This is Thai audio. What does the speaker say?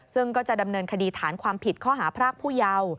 ซึ่งก็จะดำเนินคดีฐานความผิดข้อหาพรากผู้เยาว์